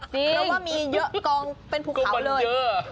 เพราะว่ามีเยอะกองเป็นภูเขาเลย